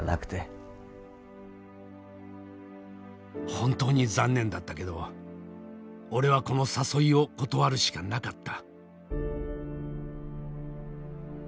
本当に残念だったけど俺はこの誘いを断るしかなかった。